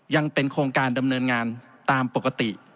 ยังเป็นโครงการดำเนินงานตามปกติ